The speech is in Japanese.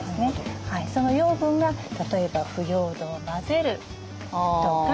その養分が例えば腐葉土を混ぜるとか